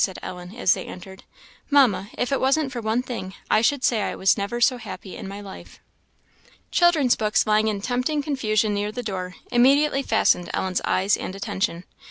said Ellen, as they entered. "Mamma, if it wasn't for one thing, I should say I never was so happy in my life." Children's books, lying in tempting confusion near the door, immediately fastened Ellen's eyes and attention.